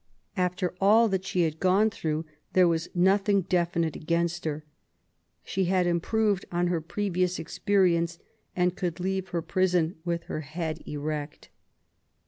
After all that she had gone through there was nothing definite against her. She had improved on her previous experience and could leave her prison, with her head erect.